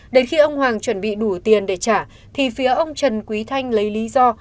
đến khi ông hoàng chuẩn bị đủ tiền để trả thì phía ông trần quý thanh lấy lý do